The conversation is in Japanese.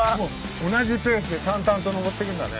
同じペースで淡々とのぼってくんだね。